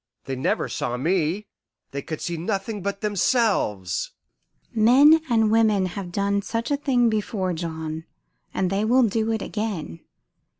They never saw me, they could see nothing but themselves." "Men and women have done such a thing before, John, and they will do it again.